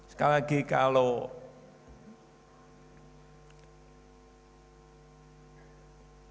sekali lagi kalau